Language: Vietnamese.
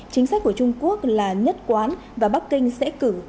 chính sách của trung quốc là nhất quán và bắc kinh sẽ cử